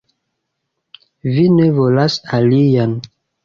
Vi ne volas alian?